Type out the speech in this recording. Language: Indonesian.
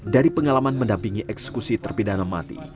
dari pengalaman mendampingi eksekusi terpidana mati